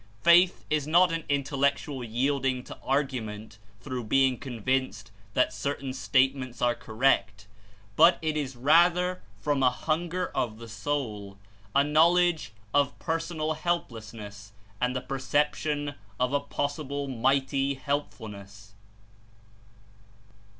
Faith is not an Intellectual yielding to argument through being convinced that certain statements are correct, but It is rather from a hunger of the soul, a knowledge of personal helplessness and the per ception of a possible Mighty Helpfulness.